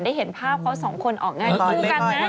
ได้เห็นภาพเขาสองคนออกให้งานคู่กันแน่